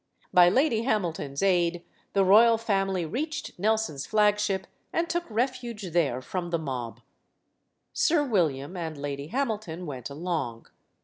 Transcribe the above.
By Lady Hamilton's aid the royal family 266 STORIES OF THE SUPER WOMEN reached Nelson's flagship and took refuge there from the mob. Sir William and Lady Hamilton went along.